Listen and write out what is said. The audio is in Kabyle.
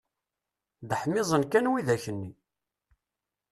Dehmiẓen kan widak nni!